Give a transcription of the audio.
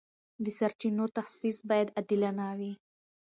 د سرچینو تخصیص باید عادلانه وي.